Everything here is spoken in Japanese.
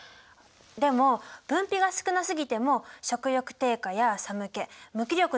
でも分泌が少なすぎても食欲低下や寒気無気力なんて症状が出る。